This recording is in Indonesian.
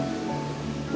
kamu udah buka puasa belum